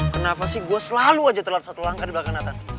kenapa sih gue selalu aja telat satu langkah di belakang nata